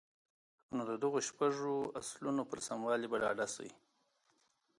نو د دغو شپږو اصلونو پر سموالي به ډاډه شئ.